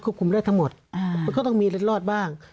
คุมได้ทั้งหมดมันก็ต้องมีเล็ดรอดบ้าง